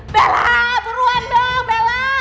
bella huruan dong bella